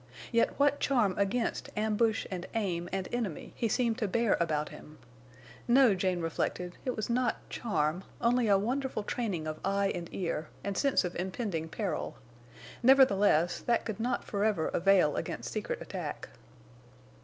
Yet what charm against ambush and aim and enemy he seemed to bear about him! No, Jane reflected, it was not charm; only a wonderful training of eye and ear, and sense of impending peril. Nevertheless that could not forever avail against secret attack.